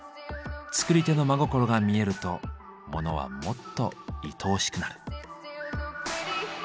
作り手の真心が見えるとモノはもっといとおしくなる。